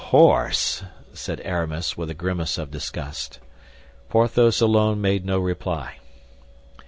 "Horse!" said Aramis, with a grimace of disgust. Porthos alone made no reply.